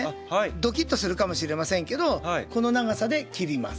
ドキッとするかもしれませんけどこの長さで切ります。